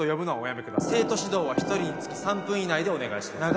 生徒指導は一人につき３分以内でお願いします。